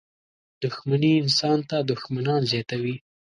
• دښمني انسان ته دښمنان زیاتوي.